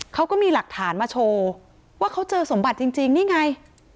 เขาก็มีหลักฐานมาโชว์ว่าเขาเจอสมบัติจริงนี่ไง